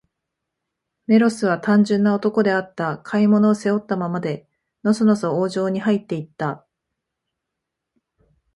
メロスは、単純な男であった。買い物を、背負ったままで、のそのそ王城にはいって行った。